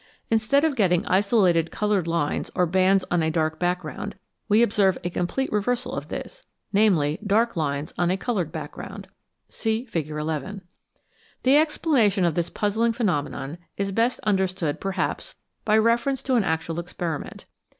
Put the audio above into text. Instead of getting isolated coloured lines or bands on a dark background, we observe a complete reversal of this, namely, dark lines on a coloured background (see Fig. 11). The explanation of this puzzling phenomenon is best understood perhaps by reference to an actual experiment.